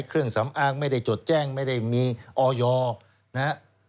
เครื่องสำอางไม่ได้จดแจ้งไม่ได้มีออยนะฮะ